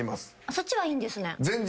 そっちはいいんですね。